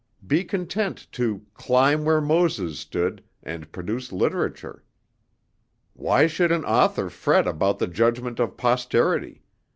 Be content to 'climb where Moses stood,' and produce literature." "'Why should an author fret about The judgment of posterity?